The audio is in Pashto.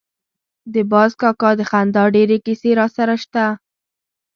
د باز کاکا د خندا ډېرې کیسې راسره شته.